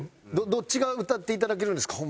どっちが歌っていただけるんですか？